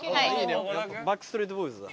バックストリート・ボーイズだ。